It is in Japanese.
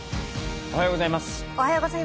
おはようございます。